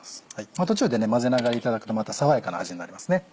途中で混ぜながらいただくとまた爽やかな味になりますね。